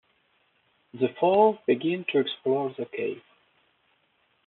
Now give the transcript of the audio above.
The four begin to explore the cave.